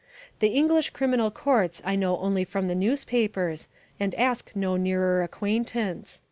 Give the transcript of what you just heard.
The English criminal courts I know only from the newspapers and ask no nearer acquaintance.